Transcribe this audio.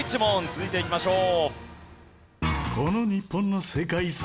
続いていきましょう。